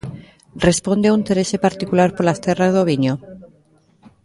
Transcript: Responde a un interese particular polas terras do viño?